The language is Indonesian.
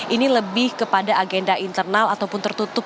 ini lebih kepada agenda internal ataupun tertutup